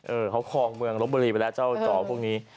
เออเขาคลองเมืองลบบุรีไปแล้วเจ้าจอพวกนี้